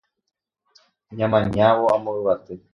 Ñamañávo amo yvate